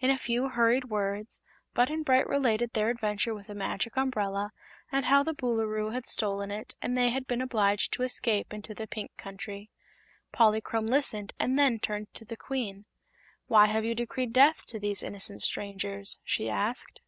In a few hurried words Button Bright related their adventure with the Magic Umbrella, and how the Boolooroo had stolen it and they had been obliged to escape into the Pink Country. Polychrome listened and then turned to the Queen. "Why have you decreed death to these innocent strangers?" she asked.